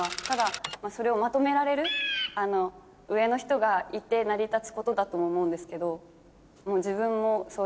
ただそれをまとめられる上の人がいて成り立つことだと思うんですけど。